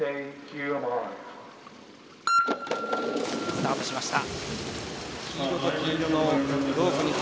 スタートしました。